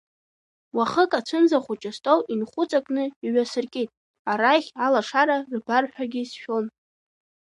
Уахык ацәымза хәыҷы астол инхәыҵакны иҩасыркит, арахь алашара рбарҳәагьы сшәон.